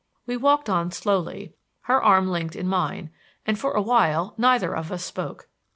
We walked on slowly, her arm linked in mine, and for a while neither of us spoke.